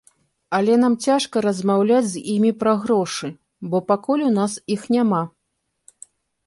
Але нам цяжка размаўляць з імі пра грошы, бо пакуль у нас іх няма.